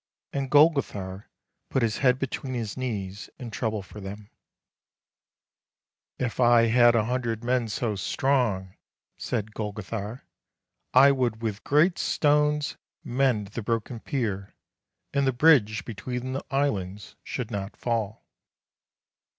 And Golgothar put his head between his knees in trouble for them. " If I had a hundred men so strong," said Golgo thar, " I would with great stones mend the broken 326 THE LANE THAT HAD NO TURNING pier, and the bridge between the islands should not fall."